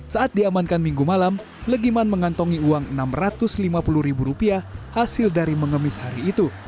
saat diamankan minggu malam legiman mengantongi uang rp enam ratus lima puluh ribu rupiah hasil dari mengemis hari itu